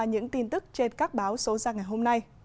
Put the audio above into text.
những tin tức trên các báo số ra ngày hôm nay